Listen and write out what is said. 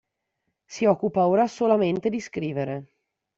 Si occupa ora solamente di scrivere.